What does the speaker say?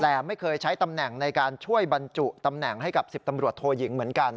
แต่ไม่เคยใช้ตำแหน่งในการช่วยบรรจุตำแหน่งให้กับ๑๐ตำรวจโทยิงเหมือนกัน